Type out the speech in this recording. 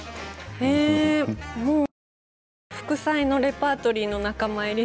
もう絶対、副菜のレパートリーの仲間入り。